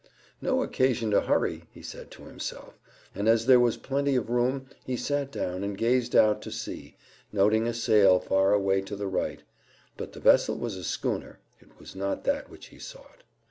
"No occasion to hurry," he said to himself, and as there was plenty of room he sat down and gazed out to sea, noting a sail far away to the right, but the vessel was a schooner it was not that which he sought.